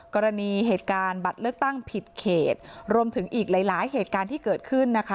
กรณีเหตุการณ์บัตรเลือกตั้งผิดเขตรวมถึงอีกหลายหลายเกิดขึ้น